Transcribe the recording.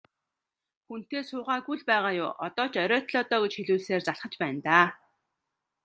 Хүнтэй суугаагүй л байгаа юу, одоо ч оройтлоо доо гэж хэлүүлсээр залхаж байна даа.